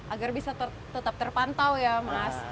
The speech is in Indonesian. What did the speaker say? agar bisa tetap terpantau ya mas